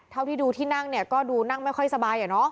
เท่าที่ดูที่นั่งเนี่ยก็ดูนั่งไม่ค่อยสบาย